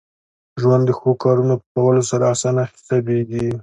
ژوند د ښو کارونو په کولو سره اسانه حسابېږي.